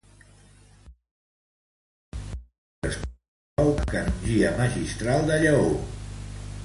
En finalitzar els seus estudis, va ocupar la canongia magistral de Lleó.